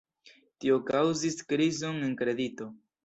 Tio kaŭzis krizon en kredito.